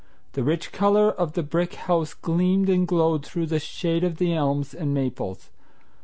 The rich color of the brick house gleamed and glowed through the shade of the elms and maples.